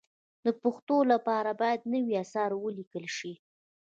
د پښتو لپاره باید نوي اثار ولیکل شي.